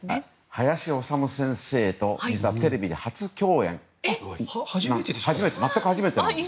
林修先生と実はテレビで初共演なんです。